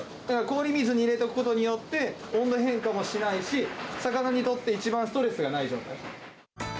だから、氷水に入れておくことによって、温度変化もしないし、魚にとって一番ストレスがない状態。